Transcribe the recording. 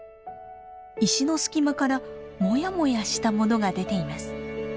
石の隙間からモヤモヤしたものが出ています。